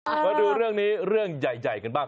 มาดูเรื่องนี้เรื่องใหญ่กันบ้าง